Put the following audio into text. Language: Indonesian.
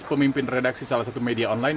pemimpin redaksi salah satu media online